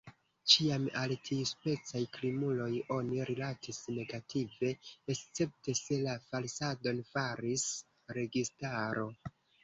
Ĉiam al tiuspecaj krimuloj oni rilatis negative, escepte se la falsadon faris registaro.